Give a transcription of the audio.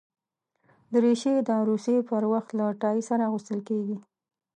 دریشي د عروسي پر وخت له ټای سره اغوستل کېږي.